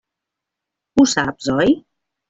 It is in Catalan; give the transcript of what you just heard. Ho saps, oi?